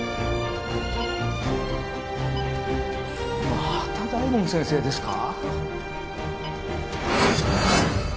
また大門先生ですか。